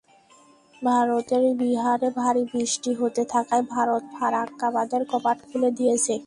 ভারতের বিহারে ভারী বৃষ্টি হতে থাকায় ভারত ফারাক্কা বাঁধের কপাট খুলে দিয়েছে।